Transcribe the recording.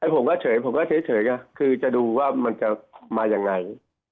ผมก็เฉยก็คือจะดูว่ามันจะมาอย่างไร